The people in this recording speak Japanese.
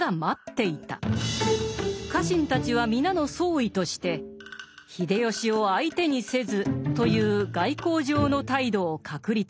家臣たちは皆の総意として「秀吉を相手にせず」という外交上の態度を確立した。